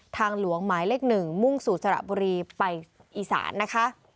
ทางหลวงหมายเลข๑มุ่งสู่สระบุรีไปอีสานนะคะ